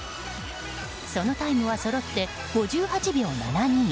そのタイムはそろって５８秒７２。